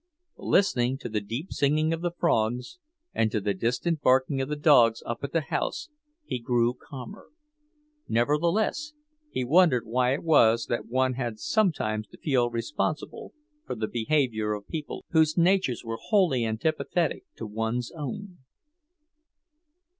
Listening to the deep singing of the frogs, and to the distant barking of the dogs up at the house, he grew calmer. Nevertheless, he wondered why it was that one had sometimes to feel responsible for the behaviour of people whose natures were wholly antipathetic to one's own.